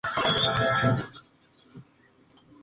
La cultura finlandesa es muy difícil de definir.